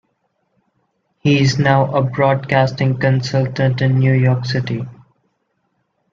He is now a broadcasting consultant in New York City.